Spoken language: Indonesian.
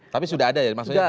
tapi sudah ada ya maksudnya